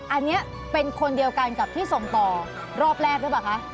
อันนี้เป็นคนเดียวกันกับที่ส่งต่อรอบแรกหรือเปล่าคะ